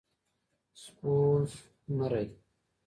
سپوږمرۍ